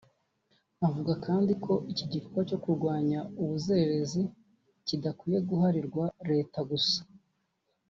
Avuga kandi ko iki gikorwa cyo kurwanya ubuzererezi kidakwiye guharirwa Leta gusa